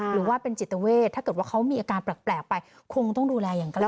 หรือว่าเป็นจิตเวทถ้าเกิดว่าเขามีอาการแปลกไปคงต้องดูแลอย่างก็แล้ว